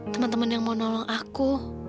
teman teman yang mau nolong aku